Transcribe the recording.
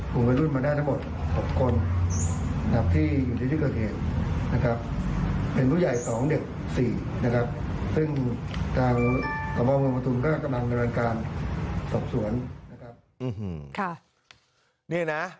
ซึ่งตามอำนวงค์มนุษย์มนุษย์มันกำลังจะกำลังการสอบส่วน